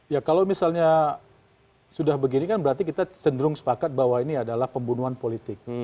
ya kalau misalnya sudah begini kan berarti kita cenderung sepakat bahwa ini adalah pembunuhan politik